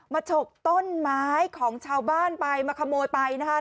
มาฉกต้นไม้ของชาวบ้านไปมาขโมยมารถน้ำค้า